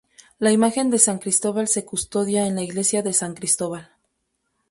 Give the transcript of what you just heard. La imagen de San Cristóbal se custodia en la iglesia de San Cristóbal.